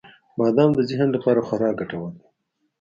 • بادام د ذهن لپاره خورا ګټور دی.